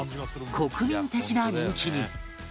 国民的な人気に